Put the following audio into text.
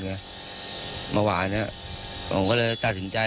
เมื่อวานผมก็เลยตัดสินใจ